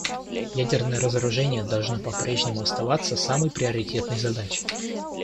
Ядерное разоружение должно по-прежнему оставаться самой приоритетной задачей.